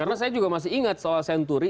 karena saya juga masih ingat soal senturi